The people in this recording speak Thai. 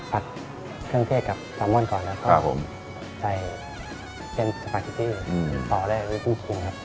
ผัดเครื่องเทศกับสาวม่อนก่อนแล้วก็ใส่เซ็นสปาคิตตี้ต่อด้วยหรือวิ่งกินครับ